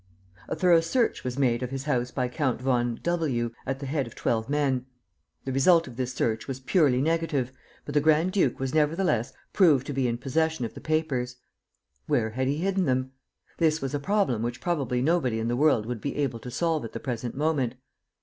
"A thorough search was made of his house by Count von W , at the head of twelve men. The result of this search was purely negative, but the grand duke was nevertheless proved to be in possession of the papers. "Where had he hidden them? This was a problem which probably nobody in the world would be able to solve at the present moment.